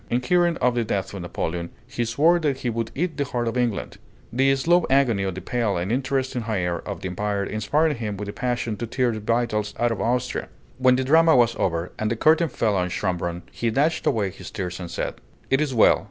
In hearing of the death of Napoleon, he swore that he would eat the heart of England; the slow agony of the pale and interesting heir of the Empire inspired him with a passion to tear the vitals out of Austria. When the drama was over, and the curtain fell on Schönbrunn, he dashed away his tears and said, "It is well.